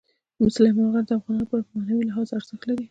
سلیمان غر د افغانانو لپاره په معنوي لحاظ ارزښت لري.